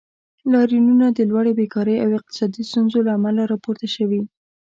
لاریونونه د لوړې بیکارۍ او اقتصادي ستونزو له امله راپورته شوي.